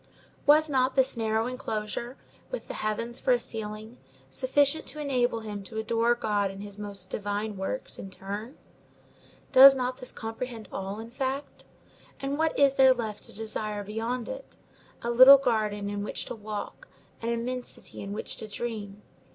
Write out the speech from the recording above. Was not this narrow enclosure, with the heavens for a ceiling, sufficient to enable him to adore God in his most divine works, in turn? Does not this comprehend all, in fact? and what is there left to desire beyond it? A little garden in which to walk, and immensity in which to dream.